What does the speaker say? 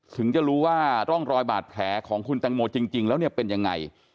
ถึงจะรู้ว่าร่องรอยบาดแผลของคุณแตงโมจริงแล้วเนี่ยเป็นยังไง